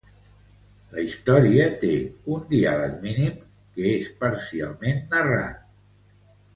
La història té un diàleg mínim que és parcialment narrat.